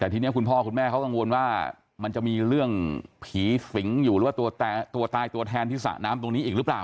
แต่ทีนี้คุณพ่อคุณแม่เขากังวลว่ามันจะมีเรื่องผีฝิงอยู่หรือว่าตัวตายตัวแทนที่สระน้ำตรงนี้อีกหรือเปล่า